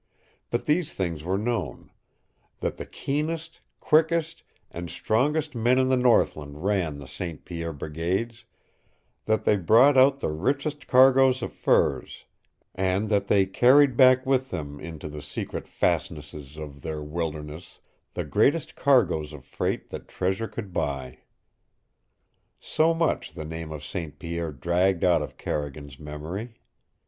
But these things were known that the keenest, quickest, and strongest men in the northland ran the St. Pierre brigades, that they brought out the richest cargoes of furs, and that they carried back with them into the secret fastnesses of their wilderness the greatest cargoes of freight that treasure could buy. So much the name St. Pierre dragged out of Carrigan's memory.